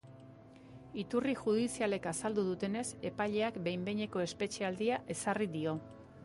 Iturri judizialek azaldu dutenez, epaileak behin-behineko espetxealdia ezarri dio.